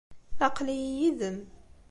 Aql-iyi yid-m.